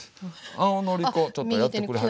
青のり粉ちょっとやってくれはります？